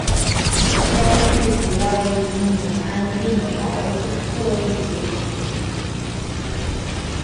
该剧主要以米安定逃过一劫。